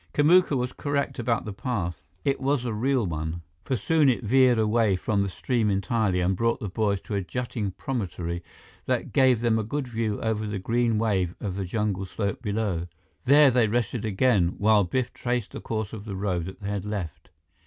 Kamuka was correct about the path. It was a real one, for soon it veered away from the stream entirely and brought the boys to a jutting promontory that gave them a good view over the green wave of the jungle slope below. There they rested again, while Biff traced the course of the road that they had left.